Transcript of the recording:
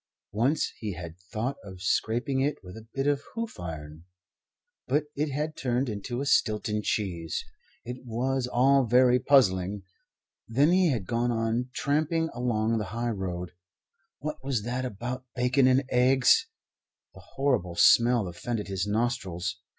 Once he had thought of scraping it with a bit of hoof iron, but it had turned into a Stilton cheese. It was all very puzzling. Then he had gone on tramping along the high road. What was that about bacon and eggs? The horrible smell offended his nostrils.